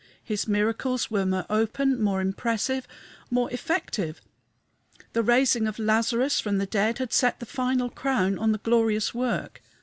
His miracles were more open, more impressive, more effective. The raising of Lazarus from the dead had set the final crown on the glorious work.